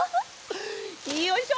よいしょ！